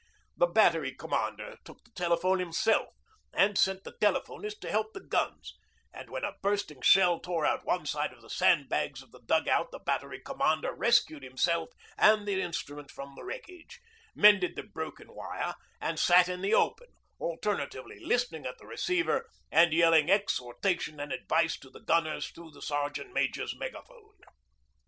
The Battery Commander took the telephone himself and sent the telephonist to help the guns; and when a bursting shell tore out one side of the sandbags of the dug out the Battery Commander rescued himself and the instrument from the wreckage, mended the broken wire, and sat in the open, alternately listening at the receiver and yelling exhortation and advice to the gunners through the Sergeant Major's megaphone.